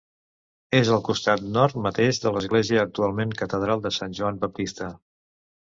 És al costat nord mateix de l'església actualment catedral de Sant Joan Baptista.